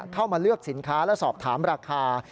เข้ามาเลือกสินค้าและสอบถามราคา